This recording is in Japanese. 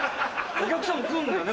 お客さんも来るんだね